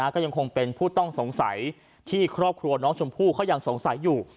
ก็ยังคงเป็นผู้ต้องสงสัยที่ครอบครัวน้องชมพู่เขายังสงสัยอยู่